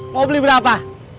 mau beli berapa